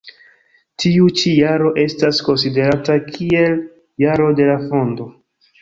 Tiu ĉi jaro estas konsiderata kiel jaro de la fondo.